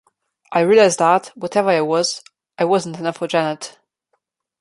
I realized that whatever I was, I wasn't enough for Janet.